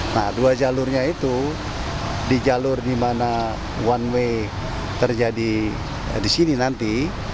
nah dua jalurnya itu di jalur di mana one way terjadi di sini nanti